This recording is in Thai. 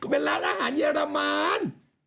เป็นร้านอาหารเยอรมัน